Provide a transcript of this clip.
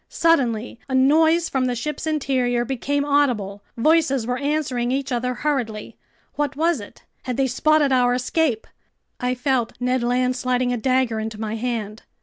Suddenly a noise from the ship's interior became audible. Voices were answering each other hurriedly. What was it? Had they spotted our escape? I felt Ned Land sliding a dagger into my hand.